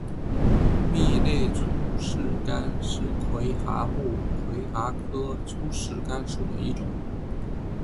密肋粗饰蚶是魁蛤目魁蛤科粗饰蚶属的一种。